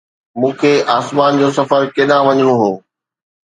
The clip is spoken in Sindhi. مون کي آسمان جو سفر ڪيڏانهن وڃڻو هو؟